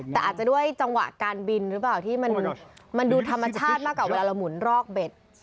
แต่อาจจะด้วยจังหวะการบินหรือเปล่าที่มันดูธรรมชาติมากกว่าเวลาเราหมุนรอกเบ็ด